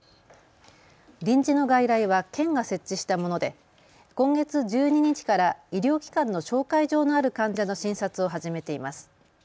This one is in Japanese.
臨時の外来は県が設置したもので今月１２日から医療機関の紹介状のある患者の診察を始めています。